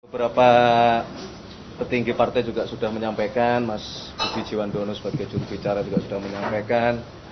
beberapa petinggi partai juga sudah menyampaikan mas budi jiwandono sebagai jurubicara juga sudah menyampaikan